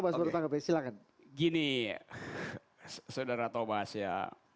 saudara thomas ya